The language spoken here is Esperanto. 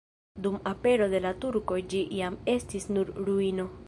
Dum apero de la turkoj ĝi jam estis nur ruino.